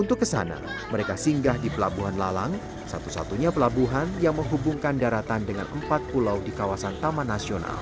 untuk kesana mereka singgah di pelabuhan lalang satu satunya pelabuhan yang menghubungkan daratan dengan empat pulau di kawasan taman nasional